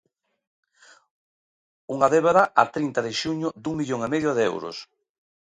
Unha débeda a trinta de xuño dun millón e medio de euros.